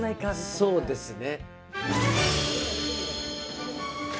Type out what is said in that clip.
そうですね。